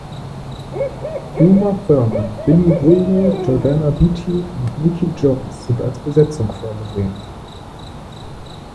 Uma Thurman, Billi Bruno, Jordana Beatty und Nicky Jones sind als Besetzung vorgesehen.